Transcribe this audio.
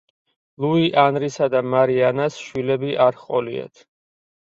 ლუი ანრისა და მარი ანას შვილები არ ჰყოლიათ.